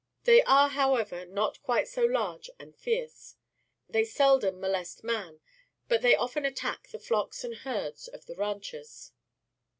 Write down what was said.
They are, however, not quite so large and fierce. They seldom molest man, but they often attack the flocks and herds of the ranchers.